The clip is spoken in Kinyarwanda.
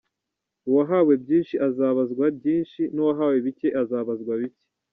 Uwahawe byinshi azabazwa byinshi n’uwahawe bike azabazwa bike.